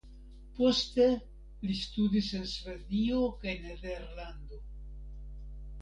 Poste li studis en Svedio kaj Nederlando.